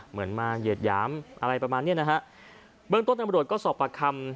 เหมือนมาเหยียดหยามอะไรประมาณเนี้ยนะฮะเบื้องต้นตำรวจก็สอบปากคำ